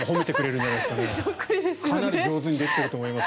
かなり上手にできていると思います。